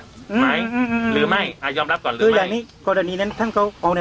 หรือไม่หรือไม่อ่ะยอมรับก่อนหรือไม่แน็ต